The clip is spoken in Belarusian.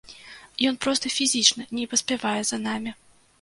Ён проста фізічна не паспявае за намі.